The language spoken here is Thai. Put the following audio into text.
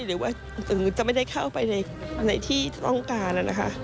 หรือจะไม่ได้เข้าไปในที่ต้องการนะคะ